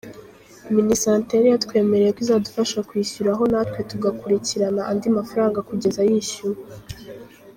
Minisante yari yatwemereye ko izadufasha kwishyuraho natwe tugakurikirana andi mafaranga kugeza yishyuwe.